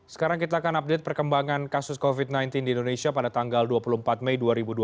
sekarang kita akan update perkembangan kasus covid sembilan belas di indonesia pada tanggal dua puluh empat mei dua ribu dua puluh